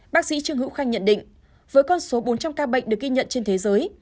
bác sĩ trương hữu khanh nhận định với con số bốn trăm linh ca bệnh được ghi nhận trên thế giới